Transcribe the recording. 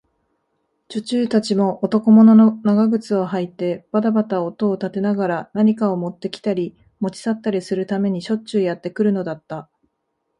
女中たちも、男物の長靴をはいてばたばた音を立てながら、何かをもってきたり、もち去ったりするためにしょっちゅうやってくるのだった。